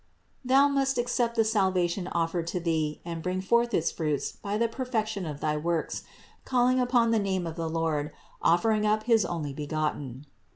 Thou must accept the salvation offered to thee and bring forth its fruits by the perfection of thy works, calling upon the name of the Lord, offering up his Onlybegotten.